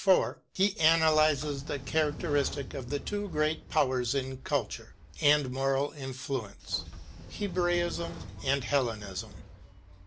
— ^he analyses the characteristics of the two great powers in culture and moral influence, Hebraism and Hellenism.